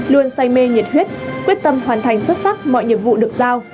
luôn say mê nhiệt huyết quyết tâm hoàn thành xuất sắc mọi nhiệm vụ được giao